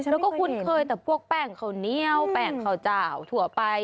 แล้วก็คุ้นเคยแต่พวกแป้งข้าวเหนียวแป้งข้าวเจ้าทั่วไป